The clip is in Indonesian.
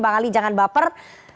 bang ali jangan baper